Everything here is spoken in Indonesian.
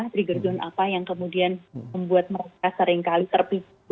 trigger jone apa yang kemudian membuat mereka seringkali terpisah